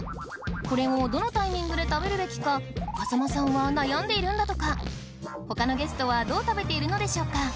これをどのタイミングで食べるべきか風間さんは悩んでいるんだとか他のゲストはどう食べているのでしょうか？